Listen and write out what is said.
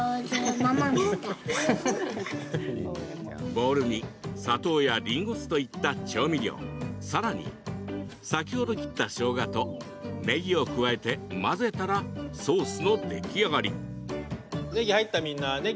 ボウルに砂糖やりんご酢といった調味料さらに先ほど切ったしょうがとねぎを加えて混ぜたらソースの出来上がり。